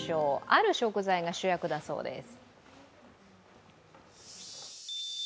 ある食材が主役だそうです。